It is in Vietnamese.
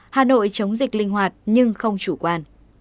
hà nội chống dịch linh hoạt nhưng không chủ quan